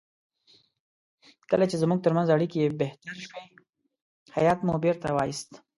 کله چې زموږ ترمنځ اړیکې بهتر شوې هیات مو بیرته وایست.